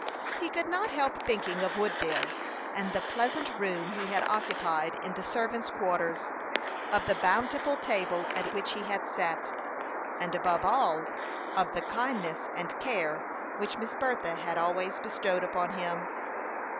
He could not help thinking of Woodville, and the pleasant room he had occupied in the servants' quarters; of the bountiful table at which he had sat; and, above all, of the kindness and care which Miss Bertha had always bestowed upon him.